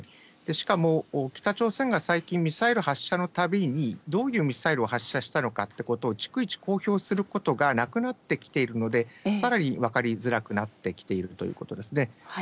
しかも北朝鮮が最近ミサイル発射のたびに、どういうミサイルを発射したのかっていうことを、逐一公表することがなくなってきているので、さらに分かりづらくなってきているということですね。